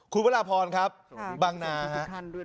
คุณเวลาพรครับฮ่ะบัง่าฮะ